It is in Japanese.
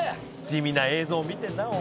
地味な映像見てるな。